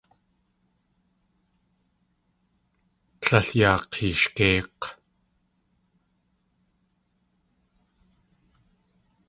Líl yaa k̲eeshgéik̲!